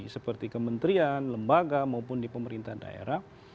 seperti kementerian lembaga maupun di pemerintah daerah